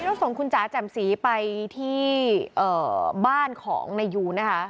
พิทัศนคุณจ๋าแจ่มศรีไปที่บ้านของในยูนะคะ